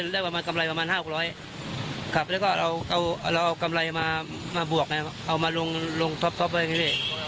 แล้วก็เอากำไรมาบวกเอามาลงท็อปด้วย